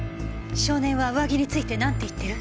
少年は上着についてなんて言ってる？